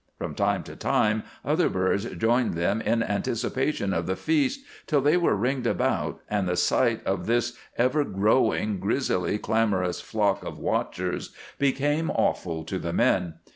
From time to time other birds joined them in anticipation of the feast, till they were ringed about, and the sight of this ever growing, grisly, clamorous flock of watchers became awful to the men.